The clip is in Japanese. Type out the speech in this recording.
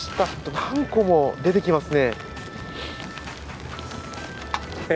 何個も出てきますね。